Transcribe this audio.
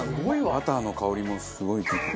バターの香りもすごい利いてる。